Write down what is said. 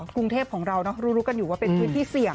กรุงเทพของเรารู้กันอยู่ว่าเป็นพื้นที่เสี่ยง